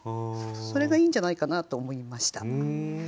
それがいいんじゃないかなと思いました。